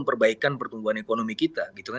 perbaikan pertumbuhan ekonomi kita